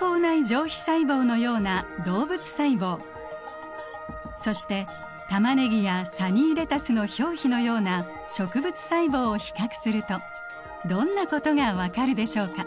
上皮細胞のような動物細胞そしてタマネギやサニーレタスの表皮のような植物細胞を比較するとどんなことが分かるでしょうか？